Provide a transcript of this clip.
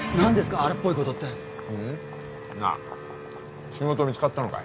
荒っぽいことってなあ仕事見つかったのかい？